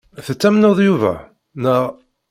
Tettamneḍ Yuba, naɣ?